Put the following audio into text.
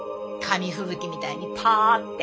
紙吹雪みたいにパッて。